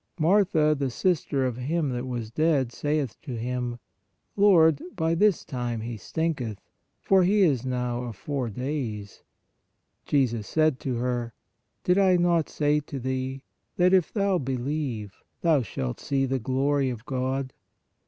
Martha, the sis ter of him that was dead, saith to Him: Lord, by this time he stinketh, for he is now of four days. Jesus said to her : Did I not say to thee, that if thou believe, thou shalt see the glory of God?